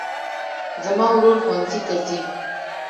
زما ورور ښوونځي ته ځي